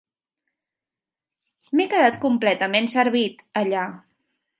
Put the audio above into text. M'he quedat completament servit, allà.